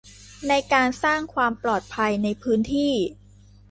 ในการสร้างความปลอดภัยในพื้นที่